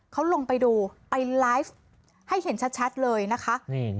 เขาลงไปดูไปไลฟ์ให้เห็นชัดเลยนะคะ